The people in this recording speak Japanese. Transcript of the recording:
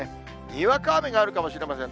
にわか雨があるかもしれません。